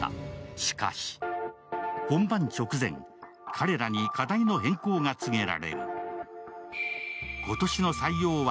しかし本番直前、彼らに課題の変更が告げられる。